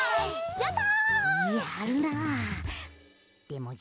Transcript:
やった！